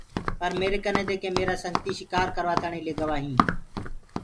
پر ميري ڪني دي ڪي ميرآ سنگتي شڪآري تاڻيٚ لي ڪي گوآ هينٚ۔